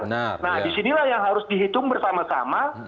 nah disinilah yang harus dihitung bersama sama